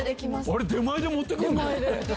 あれ出前で持ってくるの⁉